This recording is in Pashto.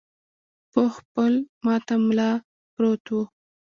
پوخ پل ماته ملا پروت و.